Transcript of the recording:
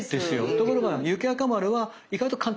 ところが雪若丸は意外と簡単にできます。